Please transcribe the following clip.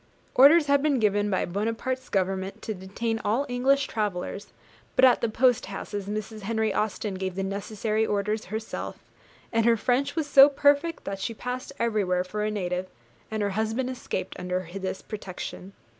Orders had been given by Buonaparte's government to detain all English travellers, but at the post houses Mrs. Henry Austen gave the necessary orders herself, and her French was so perfect that she passed everywhere for a native, and her husband escaped under this protection.